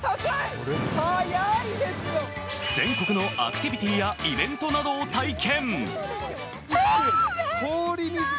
全国のアクティビティーやイベントなどを体験。